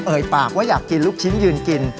ปากว่าอยากกินลูกชิ้นยืนกิน